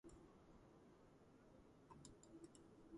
კუნძული იზოლირებულია, რის გამოც ეროვნული პარკი კარგად არის დაცული.